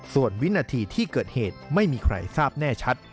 ส่วนวินาทีที่เกิดเหตุไม่มีใครทราบแน่ชัด